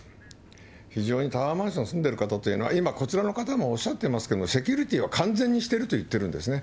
非常にタワーマンション住んでる方というのは、今、こちらの方もおっしゃってますけども、セキュリティーを完全にしてると言ってるんですね。